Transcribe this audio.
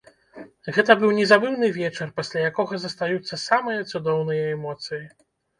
Гэта быў незабыўны вечар, пасля якога застаюцца самыя цудоўныя эмоцыі!